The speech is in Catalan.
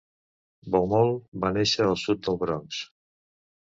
Baumol va néixer al sud del Bronx.